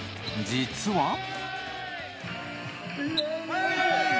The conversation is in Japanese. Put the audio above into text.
実は。